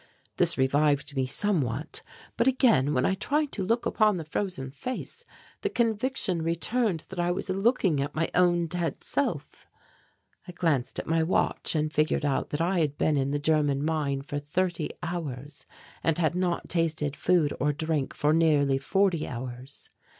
This revived me somewhat, but again, when I tried to look upon the frozen face, the conviction returned that I was looking at my own dead self. I glanced at my watch and figured out that I had been in the German mine for thirty hours and had not tasted food or drink for nearly forty hours.